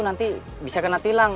nanti bisa kena tilang